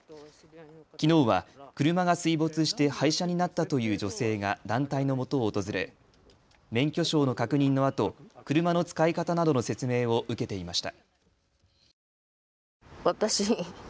きのうは車が水没して廃車になったという女性が団体のもとを訪れ免許証の確認のあと、車の使い方などの説明を受けていました。